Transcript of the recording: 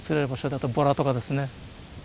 ボラとかですね。